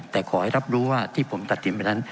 แต่ขอให้รับรู้ว่าที่ผมตัดสินไปนั้น